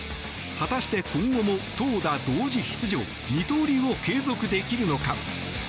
果たして今後も投打同時出場二刀流を継続できるのか。